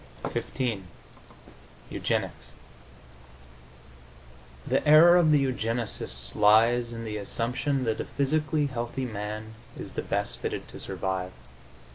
XV EUGENICS The error of the eugenists lies in the assumption that a physically healthy man is the best fitted to survive.